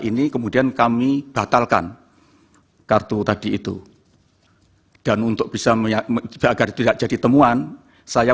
ini kemudian kami batalkan kartu tadi itu dan untuk bisa agar tidak jadi temuan saya